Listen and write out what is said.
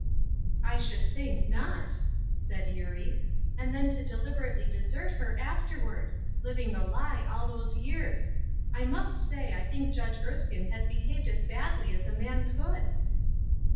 " I should think not !" said Eurie. " And then to deliberately desert her afterward ! living a lie all these years ! I must say I think Judgf Erskine has behaved as badly as a man could."